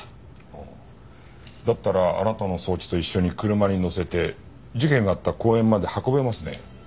ほうだったらあなたの装置と一緒に車に載せて事件があった公園まで運べますね。